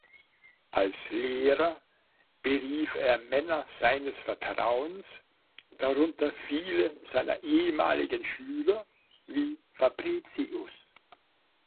Als Lehrer berief er Männer seines Vertrauens, darunter viele seiner ehemaligen Schüler, wie Fabricius.